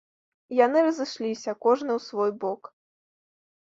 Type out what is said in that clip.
Яны разышліся, кожны ў свой бок.